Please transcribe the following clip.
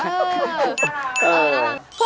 เออน่ารัก